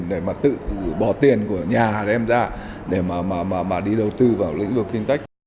để mà tự bỏ tiền của nhà đem ra để mà đi đầu tư vào lĩnh vực fintech